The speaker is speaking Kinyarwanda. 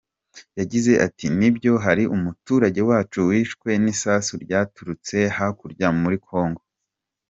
Yagize ati “Nibyo hari umuturage wacu wishwe n’isasu ryaturutse hakurya muri Congo.